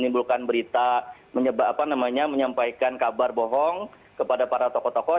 menimbulkan berita apa namanya menyampaikan kabar bohong kepada para tokoh tokoh